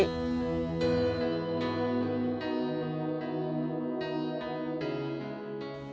แน่นอนนางเล็ดขาย